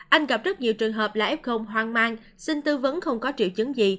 anh gặp rất nhiều trường hợp là f hoang mang xin tư vấn không có triệu chứng gì